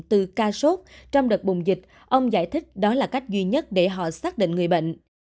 từ ca sốt trong đợt bùng dịch ông giải thích đó là cách duy nhất để họ xác định người bệnh